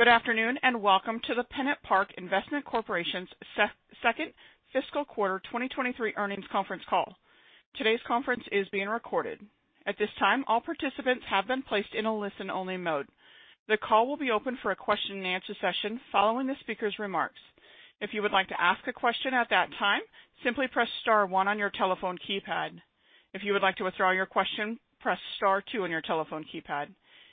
Good afternoon, and welcome to the PennantPark Investment Corporation's second fiscal quarter 2023 earnings conference call. Today's conference is being recorded. At this time, all participants have been placed in a listen-only mode. The call will be open for a question-and-answer session following the speaker's remarks. If you would like to ask a question at that time, simply press star one on your telephone keypad. If you would like to withdraw your question, press star two on your telephone keypad.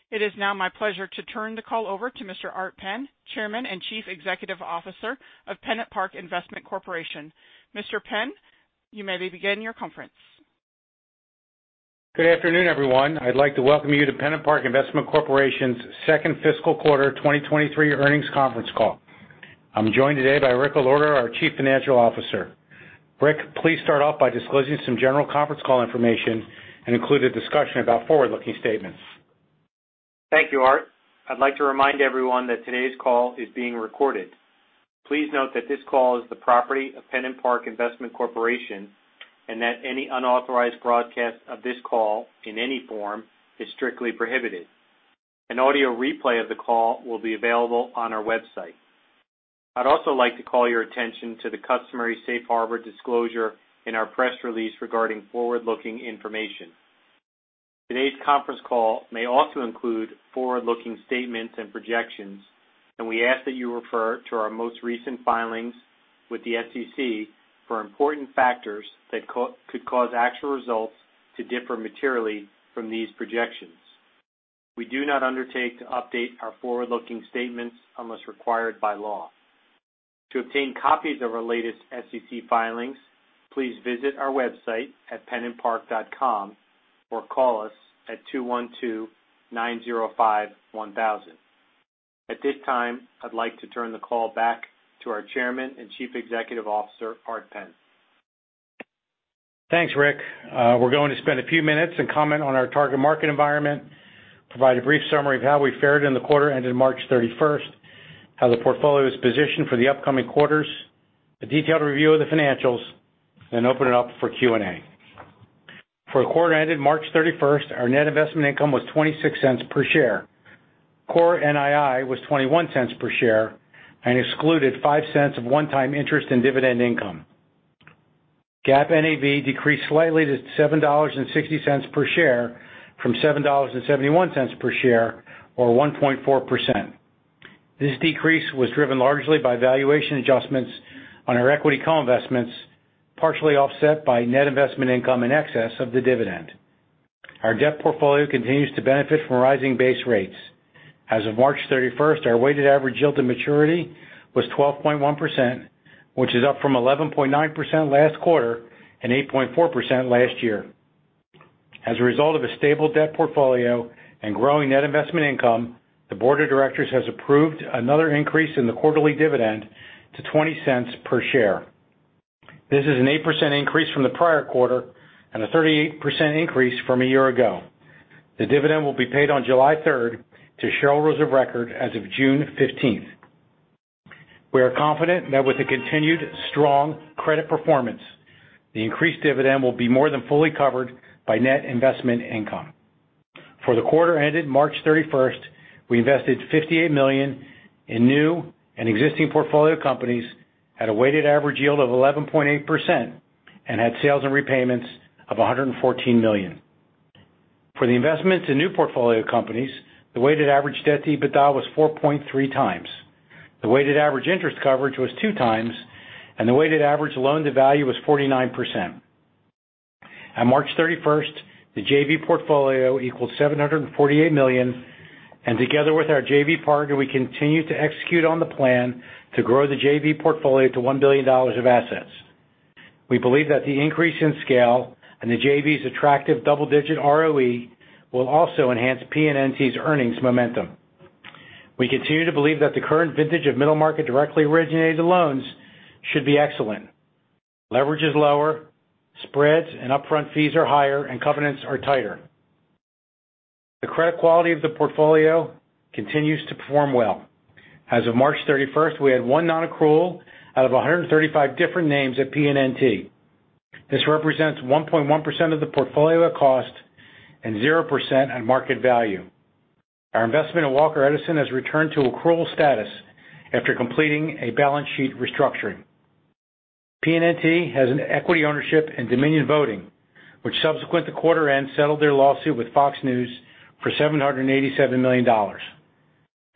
It is now my pleasure to turn the call over to Mr. Art Penn, Chairman and Chief Executive Officer of PennantPark Investment Corporation. Mr. Penn, you may be beginning your conference. Good afternoon, everyone. I'd like to welcome you to PennantPark Investment Corporation's second fiscal quarter 2023 earnings conference call. I'm joined today by Richard Allorto, our Chief Financial Officer. Rick, please start off by disclosing some general conference call information and include a discussion about forward-looking statements. Thank you, Art. I'd like to remind everyone that today's call is being recorded. Please note that this call is the property of PennantPark Investment Corporation, that any unauthorized broadcast of this call in any form is strictly prohibited. An audio replay of the call will be available on our website. I'd also like to call your attention to the customary safe harbor disclosure in our press release regarding forward-looking information. Today's conference call may also include forward-looking statements and projections, we ask that you refer to our most recent filings with the SEC for important factors that could cause actual results to differ materially from these projections. We do not undertake to update our forward-looking statements unless required by law. To obtain copies of our latest SEC filings, please visit our website at pennantpark.com or call us at 212-905-1000. At this time, I'd like to turn the call back to our Chairman and Chief Executive Officer, Art Penn. Thanks, Rick. We're going to spend a few minutes and comment on our target market environment, provide a brief summary of how we fared in the quarter ended March 31st, how the portfolio is positioned for the upcoming quarters, a detailed review of the financials, then open it up for Q&A. For the quarter ended March 31st, our net investment income was $0.26 per share. Core NII was $0.21 per share and excluded $0.05 of one-time interest and dividend income. GAAP NAV decreased slightly to $7.60 per share from $7.71 per share, or 1.4%. This decrease was driven largely by valuation adjustments on our equity co-investments, partially offset by net investment income in excess of the dividend. Our debt portfolio continues to benefit from rising base rates. As of March 31st, our weighted average yield to maturity was 12.1%, which is up from 11.9% last quarter and 8.4% last year. As a result of a stable debt portfolio and growing net investment income, the board of directors has approved another increase in the quarterly dividend to $0.20 per share. This is an 8% increase from the prior quarter and a 38% increase from a year ago. The dividend will be paid on July 3rd to shareholders of record as of June 15th. We are confident that with the continued strong credit performance, the increased dividend will be more than fully covered by net investment income. For the quarter ended March 31st, we invested $58 million in new and existing portfolio companies at a weighted average yield of 11.8% and had sales and repayments of $114 million. For the investment to new portfolio companies, the weighted average debt-to-EBITDA was 4.3x. The weighted average interest coverage was 2 times, the weighted average loan to value was 49%. On March 31st, the JV portfolio equaled $748 million, Together with our JV partner, we continue to execute on the plan to grow the JV portfolio to $1 billion of assets. We believe that the increase in scale and the JV's attractive double-digit ROE will also enhance PNNT's earnings momentum. We continue to believe that the current vintage of middle market directly originated loans should be excellent. Leverage is lower, spreads and upfront fees are higher, and covenants are tighter. The credit quality of the portfolio continues to perform well. As of March 31st, we had 1 non-accrual out of 135 different names at PNNT. This represents 1.1% of the portfolio at cost and 0% on market value. Our investment in Walker Edison has returned to accrual status after completing a balance sheet restructuring. PNNT has an equity ownership in Dominion Voting, which subsequent to quarter end settled their lawsuit with Fox News for $787 million.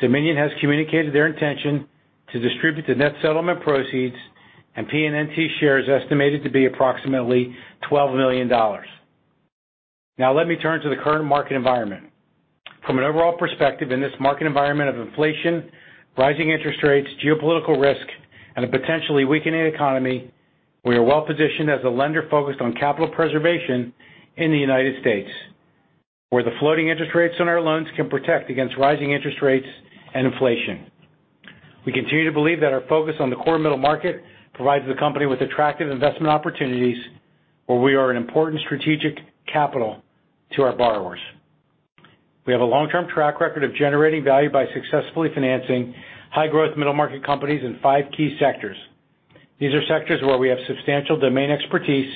Dominion has communicated their intention to distribute the net settlement proceeds, and PNNT's share is estimated to be approximately $12 million. Now let me turn to the current market environment. From an overall perspective, in this market environment of inflation, rising interest rates, geopolitical risk, and a potentially weakening economy, we are well-positioned as a lender focused on capital preservation in the United States, where the floating interest rates on our loans can protect against rising interest rates and inflation. We continue to believe that our focus on the core middle market provides the company with attractive investment opportunities where we are an important strategic capital to our borrowers. We have a long-term track record of generating value by successfully financing high-growth middle market companies in five key sectors. These are sectors where we have substantial domain expertise,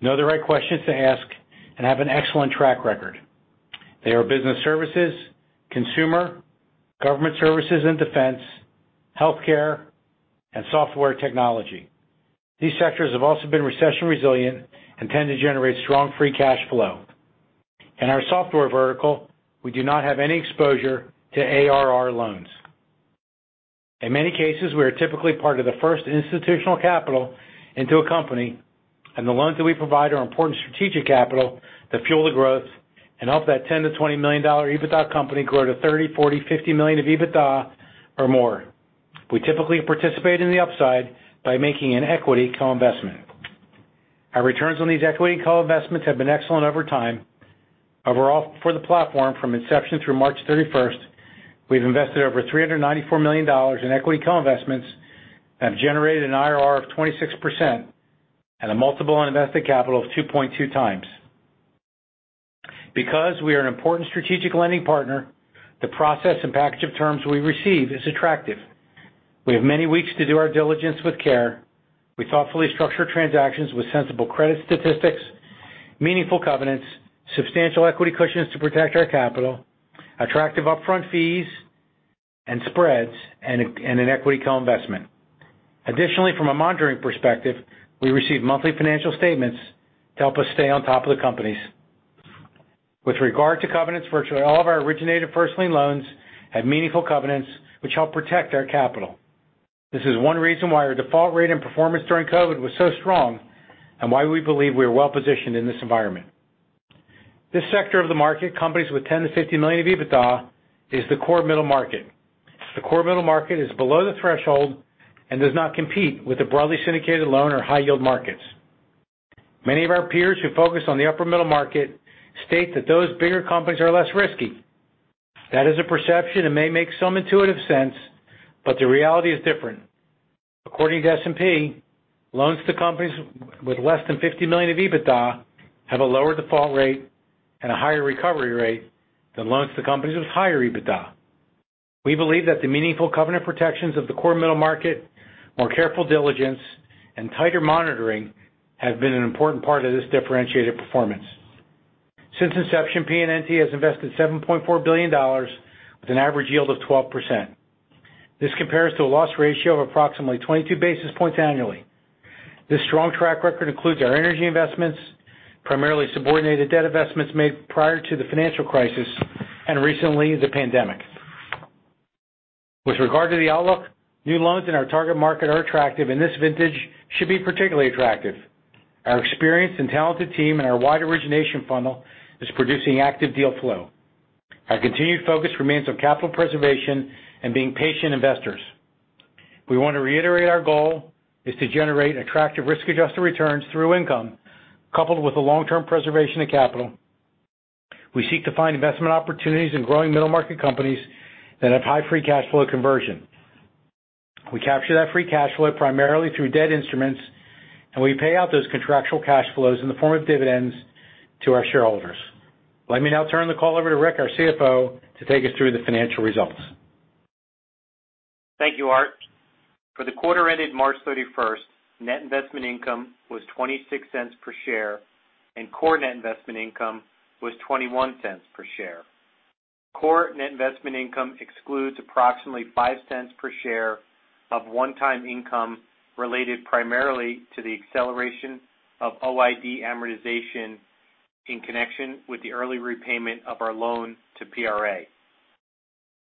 know the right questions to ask, and have an excellent track record. They are business services, consumer, government services and defense, healthcare, and software technology. These sectors have also been recession resilient and tend to generate strong free cash flow. In our software vertical, we do not have any exposure to ARR loans. In many cases, we are typically part of the first institutional capital into a company, and the loans that we provide are important strategic capital that fuel the growth and help that 10-20 million dollar EBITDA company grow to 30, 40, 50 million of EBITDA or more. We typically participate in the upside by making an equity co-investment. Our returns on these equity co-investments have been excellent over time. Overall, for the platform from inception through March 31st, we've invested over $394 million in equity co-investments and have generated an IRR of 26% and a multiple on invested capital of 2.2 times. Because we are an important strategic lending partner, the process and package of terms we receive is attractive. We have many weeks to do our diligence with care. We thoughtfully structure transactions with sensible credit statistics, meaningful covenants, substantial equity cushions to protect our capital, attractive upfront fees and spreads, and an equity co-investment. Additionally, from a monitoring perspective, we receive monthly financial statements to help us stay on top of the companies. With regard to covenants, virtually all of our originated first lien loans have meaningful covenants which help protect our capital. This is one reason why our default rate and performance during COVID was so strong and why we believe we are well positioned in this environment. This sector of the market, companies with $10 million-$50 million of EBITDA, is the core middle market. The core middle market is below the threshold and does not compete with the broadly syndicated loan or high yield markets. Many of our peers who focus on the upper middle market state that those bigger companies are less risky. That is a perception and may make some intuitive sense. The reality is different. According to S&P, loans to companies with less than $50 million of EBITDA have a lower default rate and a higher recovery rate than loans to companies with higher EBITDA. We believe that the meaningful covenant protections of the core middle market, more careful diligence, and tighter monitoring have been an important part of this differentiated performance. Since inception, PNNT has invested $7.4 billion with an average yield of 12%. This compares to a loss ratio of approximately 22 basis points annually. This strong track record includes our energy investments, primarily subordinated debt investments made prior to the financial crisis and recently the pandemic. With regard to the outlook, new loans in our target market are attractive. This vintage should be particularly attractive. Our experienced and talented team and our wide origination funnel is producing active deal flow. Our continued focus remains on capital preservation and being patient investors. We want to reiterate our goal is to generate attractive risk-adjusted returns through income, coupled with the long-term preservation of capital. We seek to find investment opportunities in growing middle market companies that have high free cash flow conversion. We capture that free cash flow primarily through debt instruments. We pay out those contractual cash flows in the form of dividends to our shareholders. Let me now turn the call over to Rick, our CFO, to take us through the financial results. Thank you, Art. For the quarter ended March 31st, net investment income was $0.26 per share and core net investment income was $0.21 per share. Core net investment income excludes approximately $0.05 per share of one-time income related primarily to the acceleration of OID amortization in connection with the early repayment of our loan to PRA.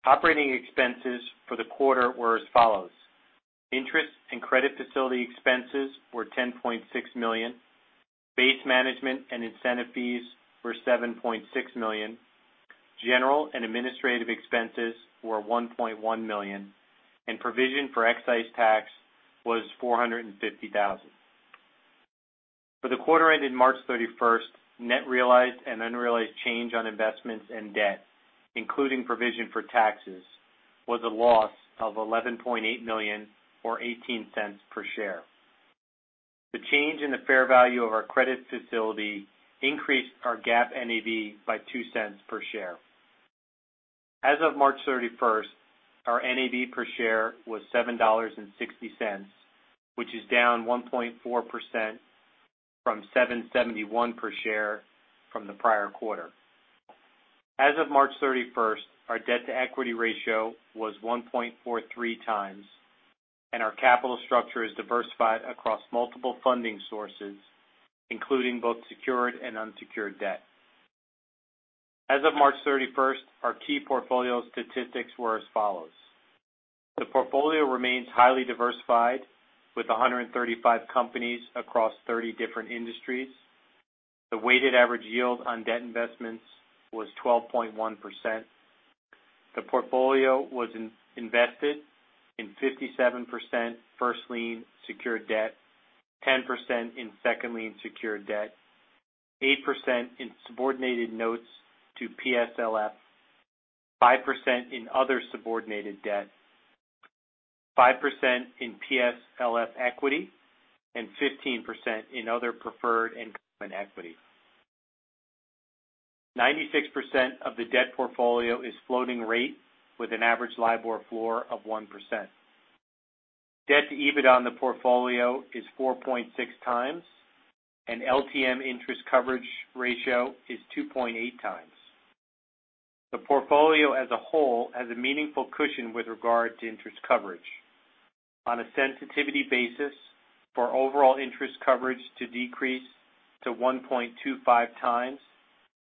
Operating expenses for the quarter were as follows. Interest and credit facility expenses were $10.6 million. Base management and incentive fees were $7.6 million. General and administrative expenses were $1.1 million. Provision for excise tax was $450,000. For the quarter ended March 31st, net realized and unrealized change on investments and debt, including provision for taxes, was a loss of $11.8 million or $0.18 per share. The change in the fair value of our credit facility increased our GAAP NAV by $0.02 per share. As of March 31st, our NAV per share was $7.60, which is down 1.4% from $7.71 per share from the prior quarter. As of March 31st, our debt-to-equity ratio was 1.43 times. Our capital structure is diversified across multiple funding sources, including both secured and unsecured debt. As of March 31st, our key portfolio statistics were as follows. The portfolio remains highly diversified with 135 companies across 30 different industries. The weighted average yield on debt investments was 12.1%. The portfolio was in-invested in 57% first lien secured debt, 10% in second lien secured debt, 8% in subordinated notes to PSLF, 5% in other subordinated debt, 5% in PSLF equity, and 15% in other preferred and common equity. 96% of the debt portfolio is floating rate with an average LIBOR floor of 1%. Debt to EBITDA on the portfolio is 4.6x and LTM interest coverage ratio is 2.8x. The portfolio as a whole has a meaningful cushion with regard to interest coverage. On a sensitivity basis, for overall interest coverage to decrease to 1.25x,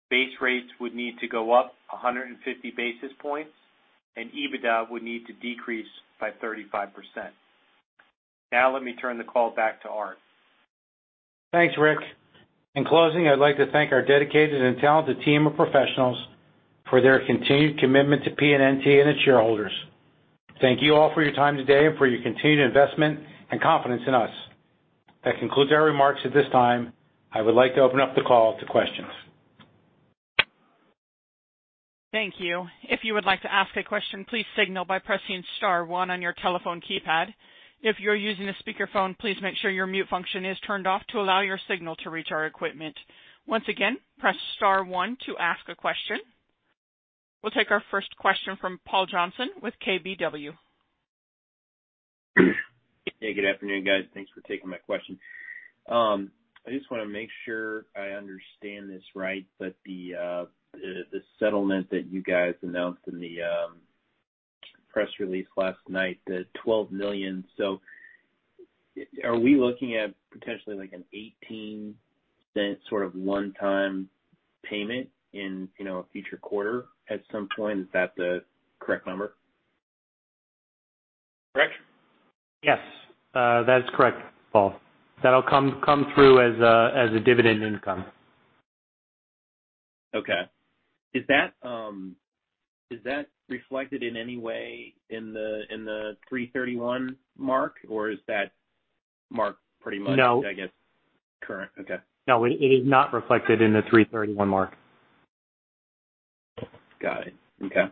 base rates would need to go up 150 basis points and EBITDA would need to decrease by 35%. Let me turn the call back to Art. Thanks, Rick. In closing, I'd like to thank our dedicated and talented team of professionals for their continued commitment to PNNT and its shareholders. Thank you all for your time today and for your continued investment and confidence in us. That concludes our remarks at this time. I would like to open up the call to questions. Thank you. If you would like to ask a question, please signal by pressing star one on your telephone keypad. If you're using a speakerphone, please make sure your mute function is turned off to allow your signal to reach our equipment. Once again, press star one to ask a question. We'll take our first question from Paul Johnson with KBW. Yeah, good afternoon, guys. Thanks for taking my question. I just wanna make sure I understand this right, but the settlement that you guys announced in the press release last night, the $12 million. Are we looking at potentially like an $0.18 sort of one-time payment in, you know, a future quarter at some point? Is that the correct number? Correct. Yes, that is correct, Paul. That'll come through as a dividend income. Okay. Is that, is that reflected in any way in the, in the 3/31 mark, or is that mark pretty much... No. I guess, current? Okay. No, it is not reflected in the 3/31 mark. Got it. Okay.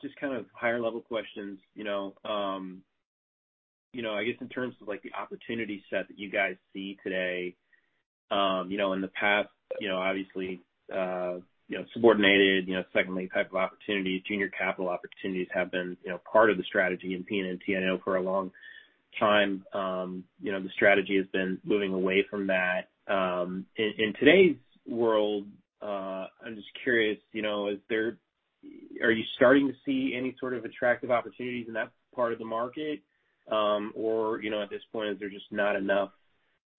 Just kind of higher level questions. In terms of the opportunity set that you guys see today, in the past, subordinated, second lien type of opportunities, junior capital opportunities have been part of the strategy in PNNT. I know for a long time, the strategy has been moving away from that. In today's world, I'm just curious, are you starting to see any sort of attractive opportunities in that part of the market? Or, at this point, is there just not enough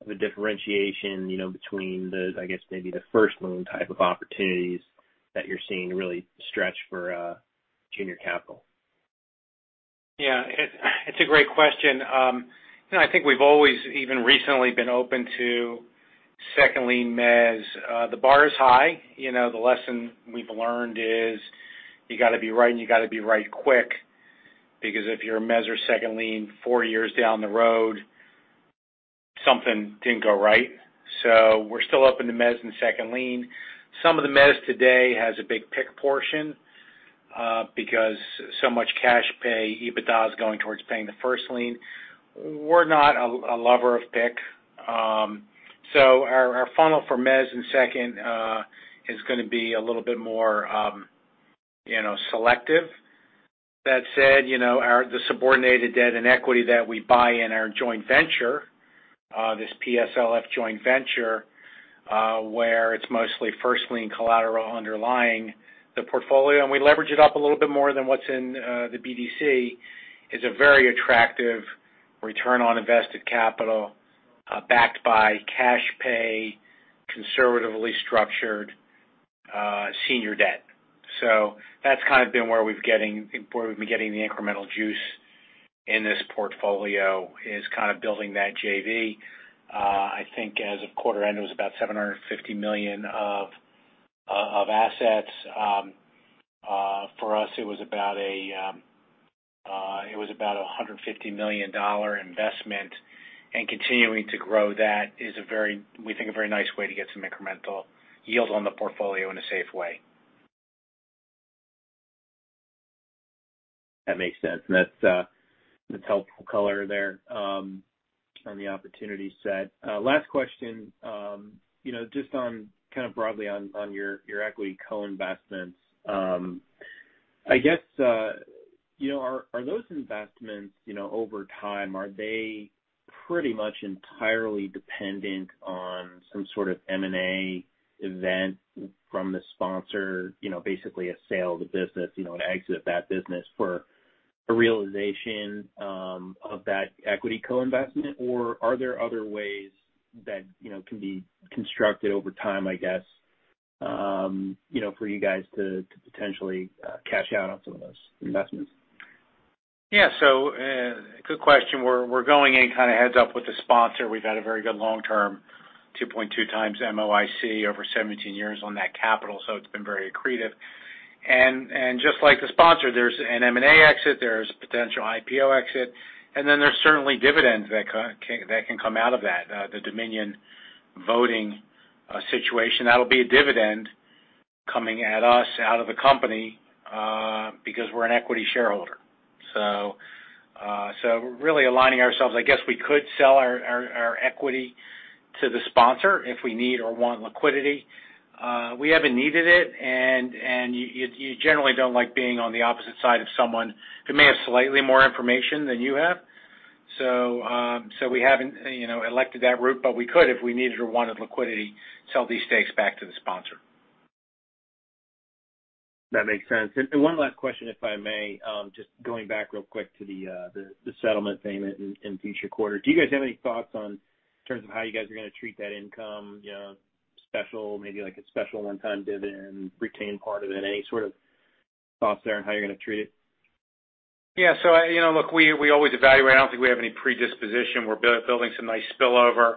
of a differentiation between those, maybe the first lien type of opportunities that you're seeing really stretch for, junior capital? Yeah, it's a great question. You know, I think we've always even recently been open to second lien mezz. The bar is high. You know, the lesson we've learned is you gotta be right and you gotta be right quick, because if you're a mezz or second lien, four years down the road, something didn't go right. We're still open to mezz and second lien. Some of the mezz today has a big PIK portion, because so much cash pay EBITDA is going towards paying the first lien. We're not a lover of PIK. Our funnel for mezz and second is gonna be a little bit more, you know, selective. That said, you know, the subordinated debt and equity that we buy in our joint venture, this PSLF joint venture, where it's mostly first lien collateral underlying the portfolio, and we leverage it up a little bit more than what's in, the BDC, is a very attractive return on invested capital, backed by cash pay, conservatively structured, senior debt. That's kind of been where we've been getting the incremental juice in this portfolio is kind of building that JV. I think as of quarter end, it was about $750 million of assets. For us, it was about a $150 million investment. Continuing to grow that is a very, we think, a very nice way to get some incremental yield on the portfolio in a safe way. That makes sense. That's helpful color there on the opportunity set. Last question. You know, just on kind of broadly on your equity co-investments. I guess, you know, are those investments, you know, over time, are they pretty much entirely dependent on some sort of M&A event from the sponsor, you know, basically a sale of the business, you know, an exit of that business for a realization of that equity co-investment? Or are there other ways that, you know, can be constructed over time, I guess, you know, for you guys to potentially cash out on some of those investments? Yeah. Good question. We're going in kinda heads-up with the sponsor. We've had a very good long-term, 2.2x MOIC over 17 years on that capital, so it's been very accretive. Just like the sponsor, there's an M&A exit, there's a potential IPO exit, and then there's certainly dividends that can come out of that. The Dominion Voting, situation, that'll be a dividend coming at us out of the company, because we're an equity shareholder. We're really aligning ourselves. I guess we could sell our equity to the sponsor if we need or want liquidity. We haven't needed it, and you generally don't like being on the opposite side of someone who may have slightly more information than you have. We haven't, you know, elected that route, but we could, if we needed or wanted liquidity, sell these stakes back to the sponsor. That makes sense. One last question, if I may. Just going back real quick to the settlement payment in future quarters. Do you guys have any thoughts on, in terms of how you guys are gonna treat that income? You know, maybe like a special one-time dividend, retain part of it. Any sort of thoughts there on how you're gonna treat it? Yeah. You know, look, we always evaluate. I don't think we have any predisposition. We're building some nice spillover,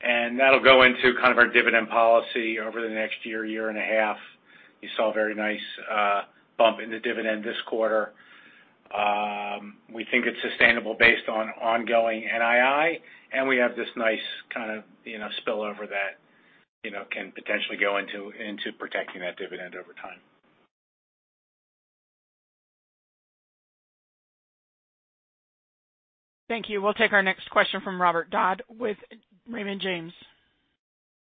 and that'll go into kind of our dividend policy over the next year and a half. You saw a very nice bump in the dividend this quarter. We think it's sustainable based on ongoing NII, and we have this nice kind of, you know, spillover that, you know, can potentially go into protecting that dividend over time. Thank you. We'll take our next question from Robert Dodd with Raymond James.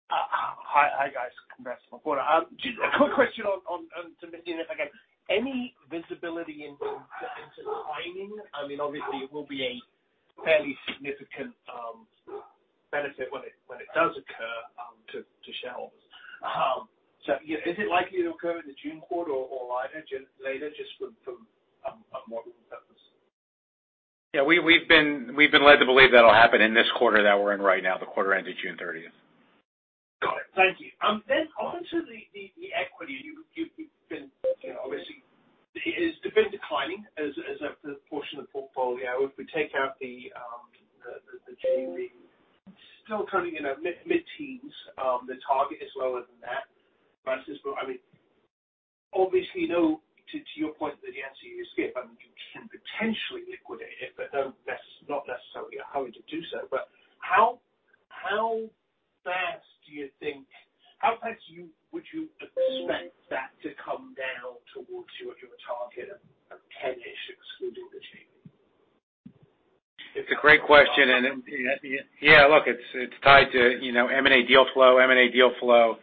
Hi, guys. Congrats on the quarter. Just a quick question on Dominion again. Any visibility into timing? I mean, obviously it will be a fairly significant benefit when it does occur to shareholders. You know, is it likely to occur in the June quarter or later just for a modeling purpose? Yeah. We've been led to believe that'll happen in this quarter that we're in right now, the quarter ending June 30th. Got it. Thank you. Then onto the equity. You've been, you know, obviously it has been declining as a portion of the portfolio. If we take out the JV, still turning, you know, mid-teens. The target is lower than that. I mean, obviously, you know, to your point that, yes, you escape, I mean, you can potentially liquidate it, but that's not necessarily your hurry to do so. How fast you would you expect that to come down towards your target of ten-ish excluding the change? It's a great question. Yeah, look, it's tied to, you know, M&A deal flow. M&A deal flow,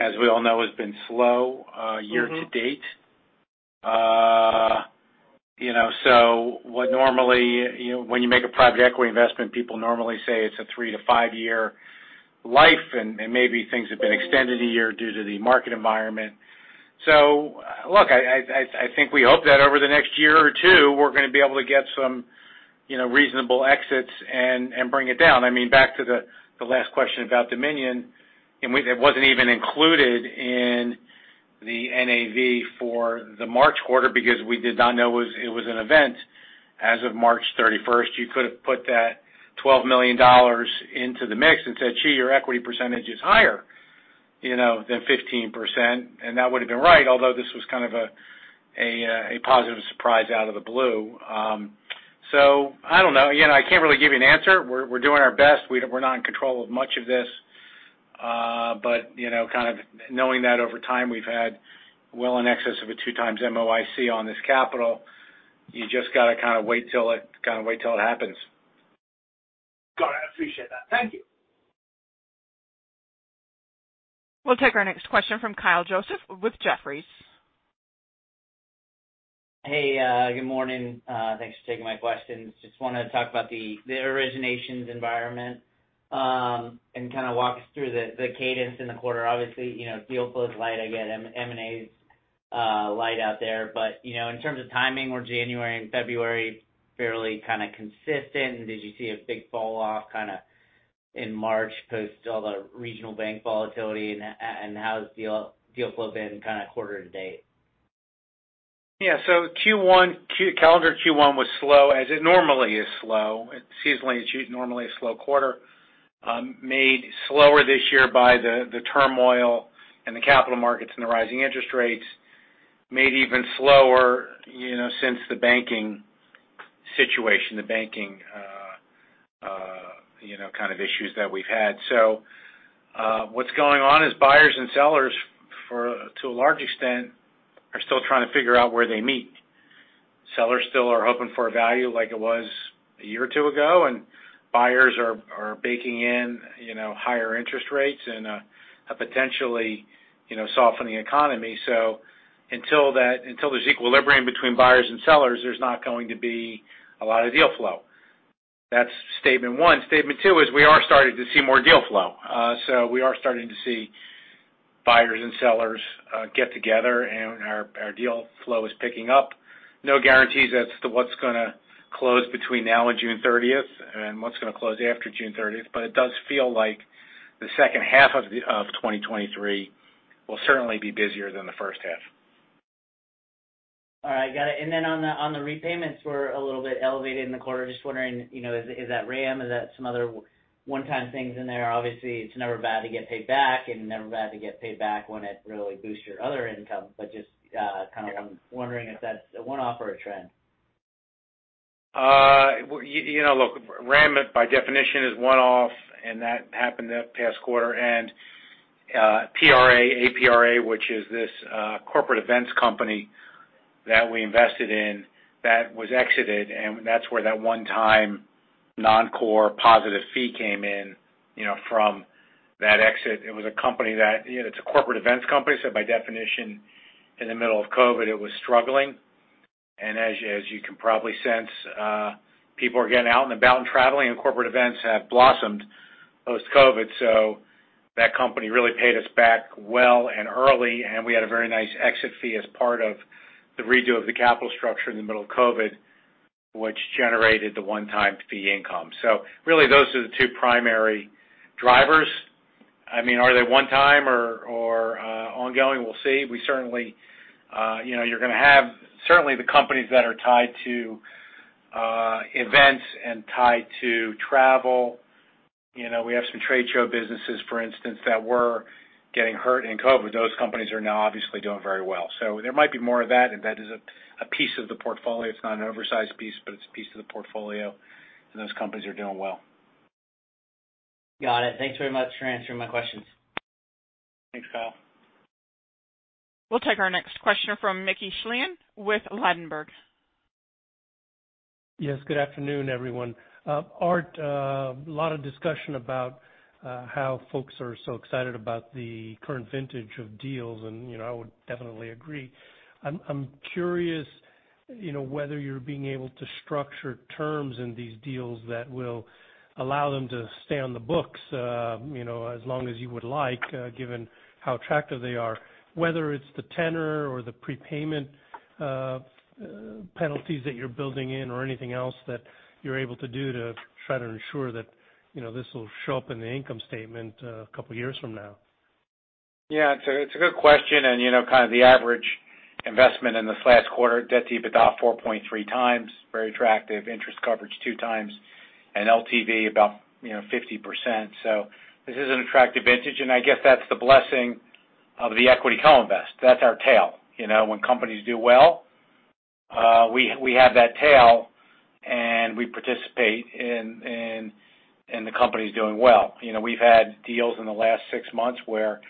as we all know, has been slow year to date. You know, what normally, you know, when you make a private equity investment, people normally say it's a three to five-year life and maybe things have been extended a year due to the market environment. Look, I think we hope that over the next year or two, we're gonna be able to get some, you know, reasonable exits and bring it down. I mean, back to the last question about Dominion, it wasn't even included in the NAV for the March quarter because we did not know it was an event as of March 31st. You could have put that $12 million into the mix and said, Gee, your equity percentage is higher, you know, than 15%. That would have been right, although this was kind of a positive surprise out of the blue. I don't know. You know, I can't really give you an answer. We're, we're doing our best. We're not in control of much of this. You know, kind of knowing that over time we've had well in excess of a 2 times MOIC on this capital, you just gotta kind of wait till it, gotta wait till it happens. Got it. I appreciate that. Thank you. We'll take our next question from Kyle Joseph with Jefferies. Hey, good morning. Thanks for taking my questions. Just wanna talk about the originations environment, and kind of walk us through the cadence in the quarter. Obviously, you know, deal flow is light. I get M&A is light out there. You know, in terms of timing, were January and February fairly kind of consistent, and did you see a big fall off kinda in March post all the regional bank volatility? How has deal flow been kinda quarter to date? Yeah. Q1, calendar Q1 was slow, as it normally is slow. Seasonally, it's normally a slow quarter. Made slower this year by the turmoil in the capital markets and the rising interest rates. Made even slower, you know, since the banking situation, the banking, you know, kind of issues that we've had. What's going on is buyers and sellers to a large extent are still trying to figure out where they meet. Sellers still are hoping for a value like it was a year or two ago, and buyers are baking in, you know, higher interest rates and a potentially, you know, softening economy. Until there's equilibrium between buyers and sellers, there's not going to be a lot of deal flow. That's statement one. Statement two is we are starting to see more deal flow. We are starting to see buyers and sellers, get together, and our deal flow is picking up. No guarantees as to what's gonna close between now and June 30th and what's gonna close after June 30th. It does feel like the second half of 2023 will certainly be busier than the first half. All right. Got it. On the repayments were a little bit elevated in the quarter. Just wondering, you know, is that RAM? Is that some other one-time things in there? Obviously, it's never bad to get paid back and never bad to get paid back when it really boosts your other income. Just kind of I'm wondering if that's a one-off or a trend. you know, look, RAM, by definition, is one-off, and that happened that past quarter. PRA, APRA, which is this corporate events company that we invested in that was exited, and that's where that one-time non-core positive fee came in, you know, from that exit. It was a company that, you know, it's a corporate events company, so by definition, in the middle of COVID, it was struggling. As you can probably sense, people are getting out and about and traveling and corporate events have blossomed post-COVID. That company really paid us back well and early, and we had a very nice exit fee as part of the redo of the capital structure in the middle of COVID, which generated the one-time fee income. Really, those are the two primary drivers. I mean, are they one time or ongoing? We'll see. We certainly, you know, you're gonna have certainly the companies that are tied to events and tied to travel. You know, we have some trade show businesses, for instance, that were getting hurt in COVID. Those companies are now obviously doing very well. There might be more of that, and that is a piece of the portfolio. It's not an oversized piece, but it's a piece of the portfolio, and those companies are doing well. Got it. Thanks very much for answering my questions. Thanks, Kyle. We'll take our next question from Mickey Schleien with Ladenburg Thalmann. Yes, good afternoon, everyone. Art, a lot of discussion about how folks are so excited about the current vintage of deals, and you know, I would definitely agree. I'm curious, you know, whether you're being able to structure terms in these deals that will allow them to stay on the books, you know, as long as you would like, given how attractive they are. Whether it's the tenor or the prepayment, penalties that you're building in or anything else that you're able to do to try to ensure that, you know, this will show up in the income statement a couple years from now. Yeah, it's a good question. You know, kind of the average investment in this last quarter, debt-to-EBITDA 4.3x, very attractive. Interest coverage 2x, and LTV about, you know, 50%. This is an attractive vintage, and I guess that's the blessing of the equity co-invest. That's our tail. You know, when companies do well, we have that tail and we participate and the company's doing well. You know, we've had deals in the last six months where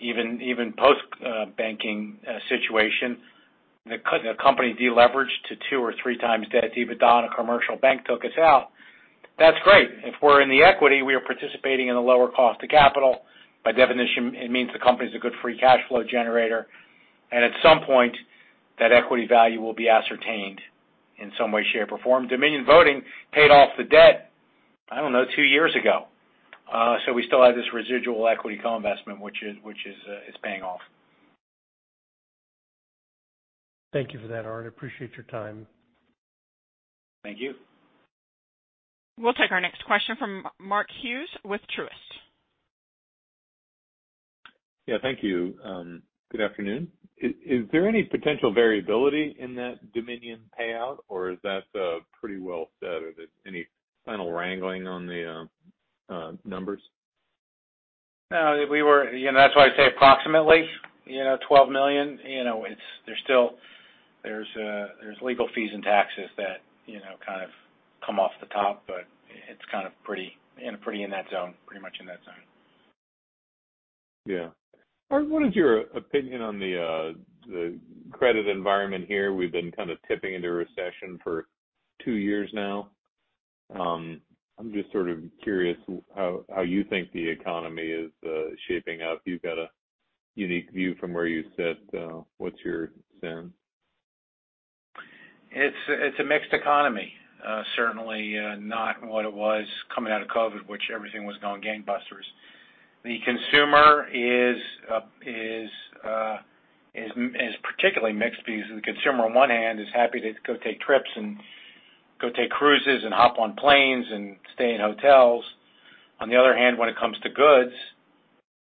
even post banking situation, a company deleveraged to 2x or 3x debt-to-EBITDA, and a commercial bank took us out. That's great. If we're in the equity, we are participating in a lower cost of capital. By definition, it means the company's a good free cash flow generator. At some point, that equity value will be ascertained in some way, shape, or form. Dominion Voting paid off the debt, I don't know, 2 years ago. We still have this residual equity co-investment, which is paying off. Thank you for that, Art. Appreciate your time. Thank you. We'll take our next question from Mark Hughes with Truist. Thank you. Good afternoon. Is there any potential variability in that Dominion payout, or is that pretty well set? Are there any final wrangling on the numbers? No, you know, that's why I say approximately, you know, $12 million. You know, it's, there's still, there's legal fees and taxes that, you know, kind of come off the top, but it's kind of pretty, in pretty in that zone, pretty much in that zone. Yeah. Art, what is your opinion on the credit environment here? We've been kind of tipping into recession for 2 years now. I'm just sort of curious how you think the economy is shaping up. You've got a unique view from where you sit. What's your sense? It's a mixed economy. Certainly, not what it was coming out of COVID, which everything was going gangbusters. The consumer is particularly mixed because the consumer on one hand is happy to go take trips and go take cruises and hop on planes and stay in hotels. On the other hand, when it comes to goods,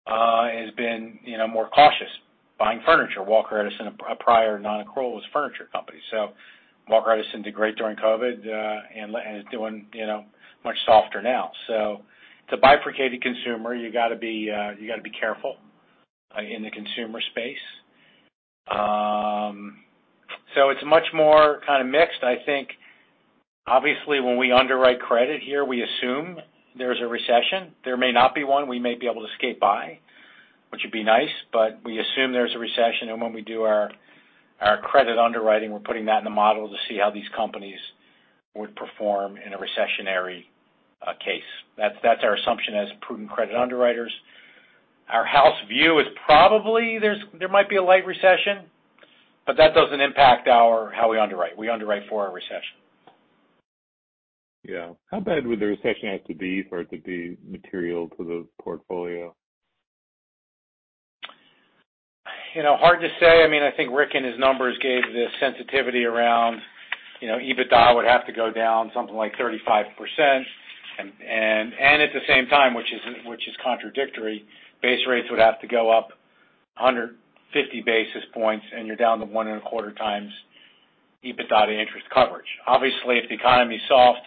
you know, more cautious buying furniture. Walker Edison, a prior non-accrual, is a furniture company. Walker Edison did great during COVID, and is doing, you know, much softer now. It's a bifurcating consumer. You gotta be, you gotta be careful in the consumer space. It's much more kinda mixed. I think obviously when we underwrite credit here, we assume there's a recession. There may not be one. We may be able to skate by, which would be nice. We assume there's a recession. When we do our credit underwriting, we're putting that in the model to see how these companies would perform in a recessionary case. That's our assumption as prudent credit underwriters. Our house view is probably there's a light recession. That doesn't impact how we underwrite. We underwrite for a recession. Yeah. How bad would the recession have to be for it to be material to the portfolio? You know, hard to say. I mean, I think Rick in his numbers gave the sensitivity around, you know, EBITDA would have to go down something like 35% and at the same time, which is contradictory, base rates would have to go up 150 basis points, and you're down to 1.25 times EBITDA interest coverage. Obviously, if the economy's soft,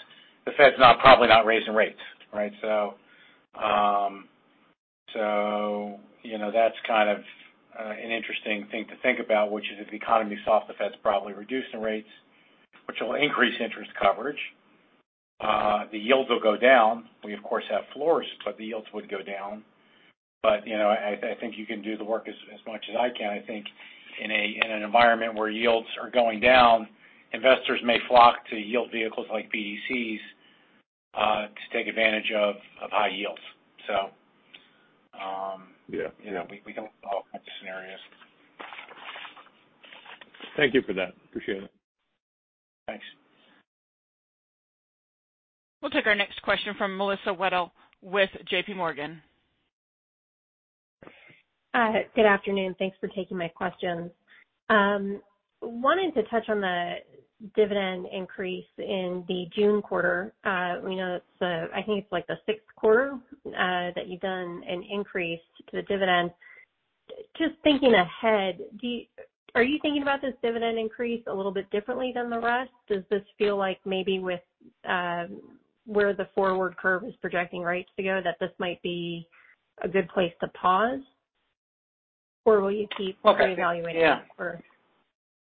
the Fed's not, probably not raising rates, right? You know, that's kind of an interesting thing to think about, which is if the economy is soft, the Fed's probably reducing rates, which will increase interest coverage. The yields will go down. We of course, have floors, but the yields would go down. You know, I think you can do the work as much as I can. I think in an environment where yields are going down, investors may flock to yield vehicles like BDCs, to take advantage of high yields. Yeah. You know, we can look at all kinds of scenarios. Thank you for that. Appreciate it. Thanks. We'll take our next question from Melissa Wedel with JP Morgan. Good afternoon. Thanks for taking my questions. Wanted to touch on the dividend increase in the June quarter. We know it's the... I think it's like the sixth quarter that you've done an increase to the dividend. Just thinking ahead, are you thinking about this dividend increase a little bit differently than the rest? Does this feel like maybe with, where the forward curve is projecting rates to go, that this might be a good place to pause? Will you keep reevaluating that for-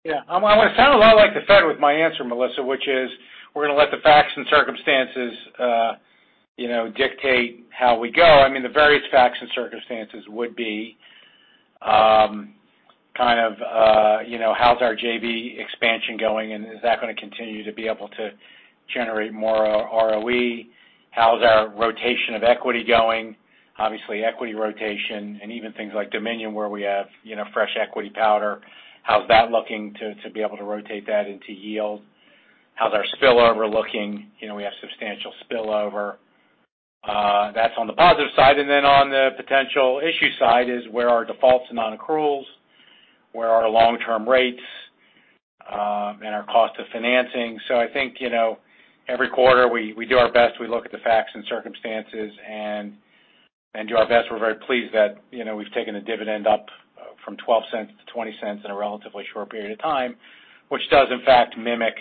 Yeah. I'm gonna sound a lot like the Fed with my answer, Melissa, which is, we're gonna let the facts and circumstances, you know, dictate how we go. I mean, the various facts and circumstances would be, kind of, you know, how's our JV expansion going? And is that gonna continue to be able to generate more ROE? How's our rotation of equity going? Obviously, equity rotation and even things like Dominion, where we have, you know, fresh equity powder. How's that looking to be able to rotate that into yield? How's our spillover looking? You know, we have substantial spillover. That's on the positive side. And then on the potential issue side is where are defaults and non-accruals, where are our long-term rates, and our cost of financing. I think, you know, every quarter we do our best. We look at the facts and circumstances and do our best. We're very pleased that, you know, we've taken the dividend up from $0.12 to $0.20 in a relatively short period of time, which does in fact mimic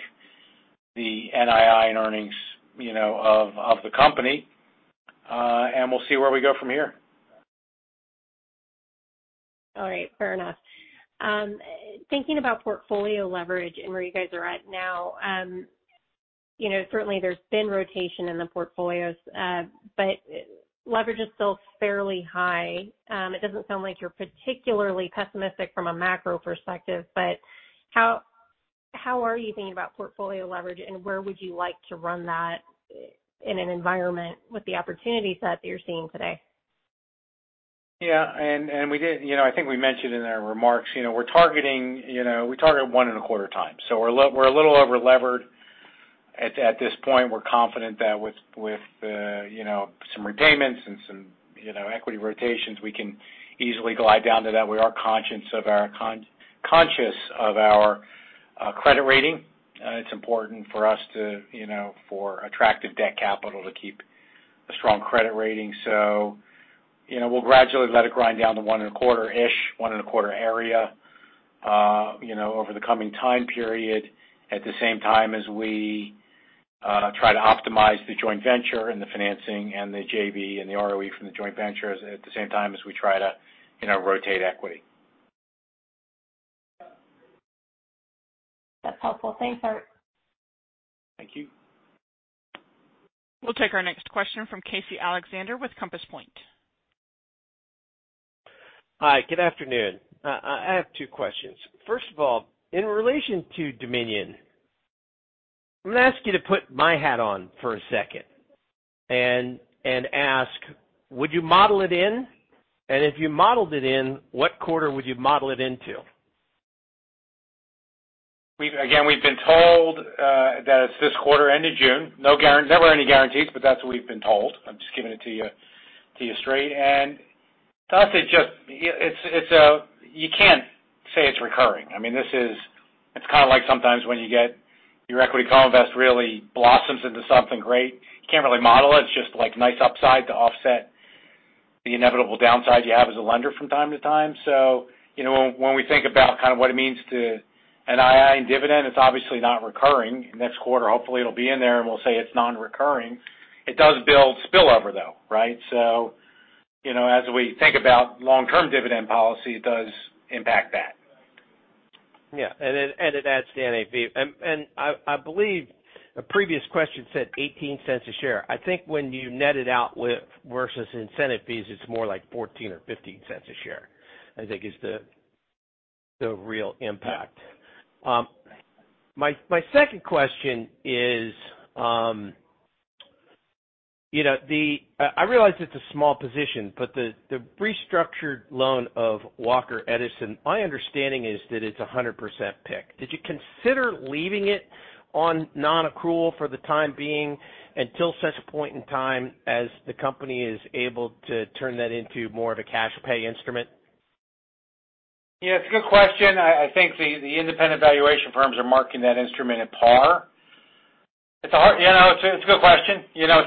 the NII and earnings, you know, of the company. We'll see where we go from here. All right. Fair enough. Thinking about portfolio leverage and where you guys are at now, you know, certainly there's been rotation in the portfolios, but leverage is still fairly high. It doesn't sound like you're particularly pessimistic from a macro perspective, but how are you thinking about portfolio leverage, and where would you like to run that in an environment with the opportunity set that you're seeing today? Yeah. We did. You know, I think we mentioned in our remarks, you know, we're targeting, you know, we target one and a quarter times. We're a little over-levered at this point. We're confident that with, you know, some repayments and some, you know, equity rotations, we can easily glide down to that. We are conscious of our credit rating. It's important for us to, you know, for attractive debt capital to keep a strong credit rating. You know, we'll gradually let it grind down to one and a quarter-ish, one and a quarter area, you know, over the coming time period. At the same time as we try to optimize the joint venture and the financing and the JV and the ROE from the joint ventures at the same time as we try to, you know, rotate equity. That's helpful. Thanks, Art. Thank you. We'll take our next question from Casey Alexander with Compass Point. Hi, good afternoon. I have two questions. First of all, in relation to Dominion, I'm gonna ask you to put my hat on for a second and ask, would you model it in? If you modeled it in, what quarter would you model it into? Again, we've been told that it's this quarter end of June. Never any guarantees, but that's what we've been told. I'm just giving it to you straight. To us, it just It's you can't say it's recurring. I mean, it's kinda like sometimes when you get your equity common vest really blossoms into something great. You can't really model it. It's just like nice upside to offset the inevitable downside you have as a lender from time to time. You know, when we think about kind of what it means to NII and dividend, it's obviously not recurring. Next quarter, hopefully, it'll be in there, and we'll say it's non-recurring. It does build spillover, though, right? You know, as we think about long-term dividend policy, it does impact that. Yeah. It adds to NAV. I believe a previous question said $0.18 a share. I think when you net it out with versus incentive fees, it's more like $0.14 or $0.15 a share, I think is the real impact. My second question is, you know, I realize it's a small position, but the restructured loan of Walker Edison. My understanding is that it's 100% PIK. Did you consider leaving it on non-accrual for the time being until such point in time as the company is able to turn that into more of a cash pay instrument? It's a good question. I think the independent valuation firms are marking that instrument at par. You know, it's a good question. You know,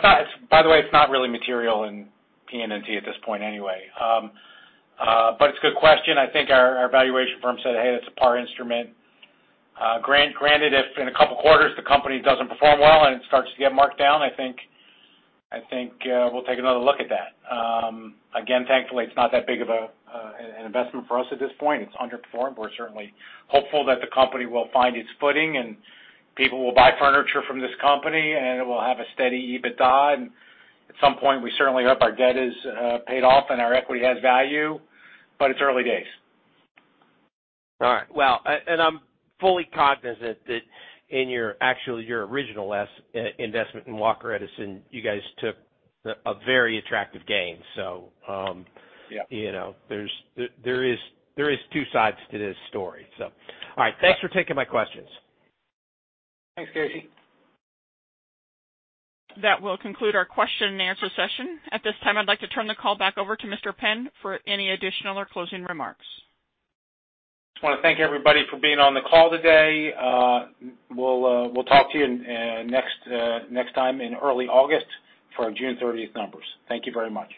by the way, it's not really material in P&A at this point anyway. It's a good question. I think our valuation firm said, Hey, that's a par instrument. Granted, if in 2 quarters the company doesn't perform well and it starts to get marked down, I think we'll take another look at that. Again, thankfully, it's not that big of an investment for us at this point. It's underperformed. We're certainly hopeful that the company will find its footing and people will buy furniture from this company and it will have a steady EBITDA. At some point, we certainly hope our debt is paid off and our equity has value, but it's early days. All right. Well, and I'm fully cognizant that in your actual, your original investment in Walker Edison, you guys took a very attractive gain. So. Yeah. You know, there is two sides to this story, so. All right. Thanks for taking my questions. Thanks, Casey. That will conclude our question and answer session. At this time, I'd like to turn the call back over to Mr. Penn for any additional or closing remarks. Just wanna thank everybody for being on the call today. We'll talk to you next time in early August for our June thirtieth numbers. Thank you very much.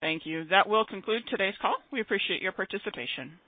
Thank you. That will conclude today's call. We appreciate your participation.